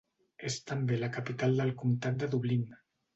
És també la capital del comtat de Dublín.